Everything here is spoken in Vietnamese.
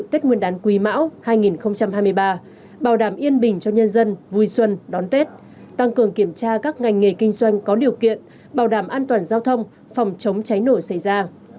tết nguyên đán quý mão hai nghìn hai mươi ba bảo đảm yên bình cho nhân dân vui xuân đón tết tăng cường kiểm tra các ngành nghề kinh doanh có điều kiện bảo đảm an toàn giao thông phòng chống cháy nổ xảy ra